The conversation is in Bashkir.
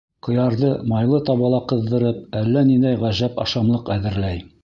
Ҡыярҙы майлы табала ҡыҙҙырып, әллә ниндәй ғәжәп ашамлыҡ әҙерләй.